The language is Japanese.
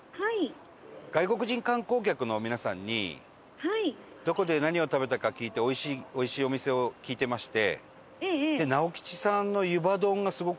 外国人観光客の皆さんにどこで何を食べたか聞いておいしいお店を聞いてまして。